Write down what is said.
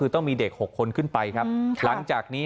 ต้องมีเด็ก๖คนขึ้นไปครับหลังจากนี้